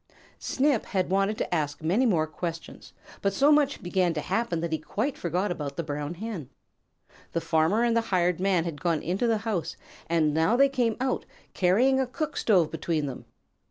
Snip had wanted to ask many more questions, but so much began to happen that he quite forgot about the Brown Hen. The Farmer and the Hired Man had gone into the house, and now they came out, carrying a cook stove between them.